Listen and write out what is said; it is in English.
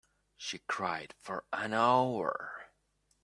She cried for an hour.